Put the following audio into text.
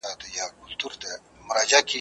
او چي شکر کړي د خدای پر نعمتونو ,